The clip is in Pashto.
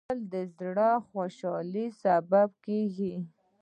خوړل د زړه خوشالي سبب کېږي